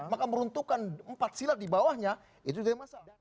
maka meruntuhkan empat silat dibawahnya itu jadi masalah